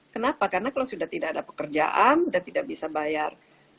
kenapa karena kalau sudah tidak ada pekerjaan sudah tidak bisa bayar